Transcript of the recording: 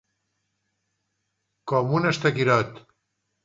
Com un estaquirot.